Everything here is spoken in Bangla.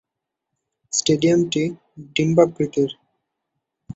স্টেডিয়ামটি ডিম্বাকৃতির।